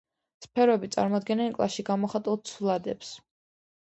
სფეროები წარმოადგენენ კლასში გამოხატულ ცვლადებს.